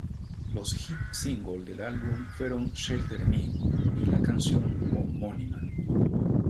Los hit singles del álbum fueron "Shelter Me" y la canción homónima.